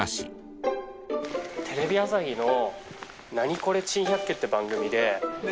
テレビ朝日の『ナニコレ珍百景』という番組で。